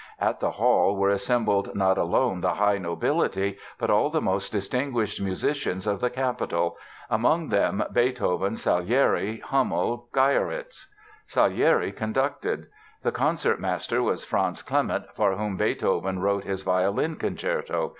At the hall were assembled not alone the high nobility but all the most distinguished musicians of the capital, among them Beethoven, Salieri, Hummel, Gyrowetz. Salieri conducted. The concertmaster was Franz Clement, for whom Beethoven wrote his violin concerto.